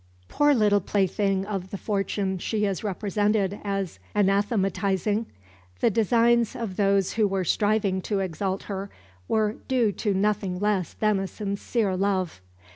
Poor little plaything of the fortune she is represented as anathematising, the designs of those who were striving to exalt her were due to nothing less than a sincere love.